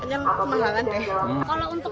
hanya kemahalan deh